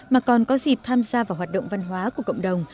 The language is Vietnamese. mà còn có dịp tham gia vào hoạt động văn hóa của cộng đồng